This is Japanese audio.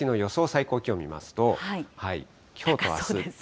最高気温を見ますと、きょうとあす。